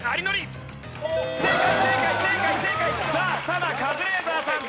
ただカズレーザーさん